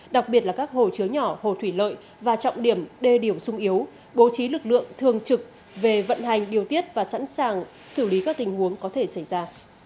đặc biệt là các hồ chứa nhỏ hồ thủy lợi và trọng điểm đê điểm sung yếu bố trí lực lượng thường trực về vận hành điều tiết và sẵn sàng xử lý các tình huống có thể xảy ra